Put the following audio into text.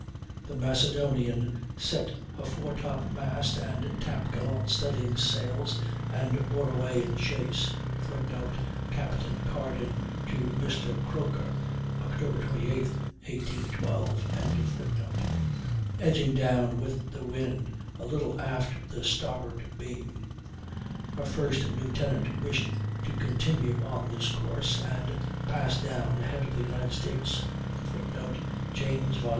The Macedonian set her foretop mast and top gallant studdings sails and bore away in chase, [Footnote: Capt. Carden to Mr. Croker, Oct. 28, 1812.] edging down with the wind a little aft the starboard beam. Her first lieutenant wished to continue on this course and pass down ahead of the United States, [Footnote: James, vi.